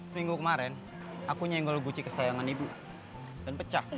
seminggu kemarin aku nyenggol guci kesayangan ibu dan pecah